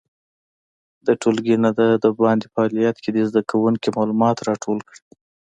د ټولګي نه د باندې فعالیت کې دې زده کوونکي معلومات راټول کړي.